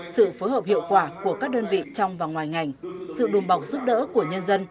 sự phối hợp hiệu quả của các đơn vị trong và ngoài ngành sự đùm bọc giúp đỡ của nhân dân